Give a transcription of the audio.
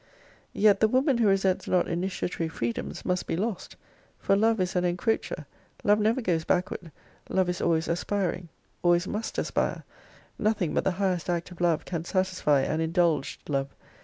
Yet the woman who resents not initiatory freedoms must be lost. For love is an encroacher. Love never goes backward. Love is always aspiring. Always must aspire. Nothing but the highest act of love can satisfy an indulged love.